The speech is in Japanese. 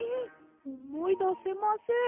おもいだせません。